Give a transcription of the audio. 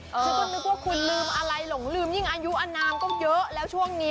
ฉันก็นึกว่าคุณลืมอะไรหลงลืมยิ่งอายุอนามก็เยอะแล้วช่วงนี้